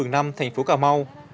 nằm thành phố cà mau